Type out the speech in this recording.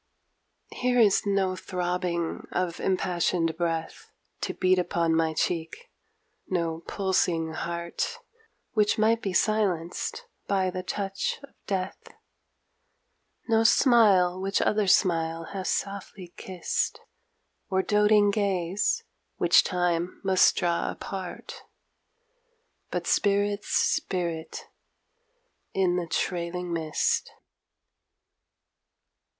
Here is no throbbing of impassioned breath To beat upon my cheek, no pulsing heart Which might be silenced by the touch of Death, No smile which other smile has softly kissed Or doting gaze which Time must draw apart, But spirit's spirit in the trailing mist.